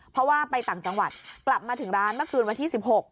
เพราะว่าไปต่างจังหวัดกลับมาถึงร้านเมื่อคืนวันที่๑๖